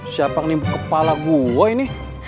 siapa yang nipu kepala gua ini